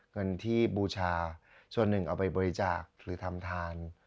เงินที่บูชาส่วนหนึ่งเอาไปบริจาคหรือทำทาน